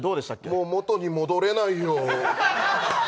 もう、元に戻れないよ。